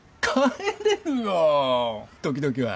時々は。